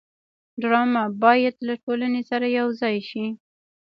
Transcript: ډرامه باید له ټولنې سره یوځای شي